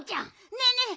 ねえねえ